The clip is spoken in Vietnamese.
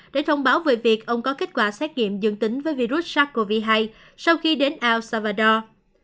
để thông báo về việc ông có kết quả xét nghiệm dương tính với virus sars cov hai sau khi đến ao salvador